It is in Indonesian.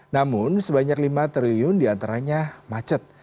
namun sebanyak lima triliun diantaranya macet